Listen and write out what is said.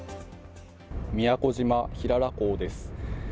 宮古島・平良港です。